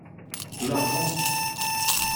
De l’argent !…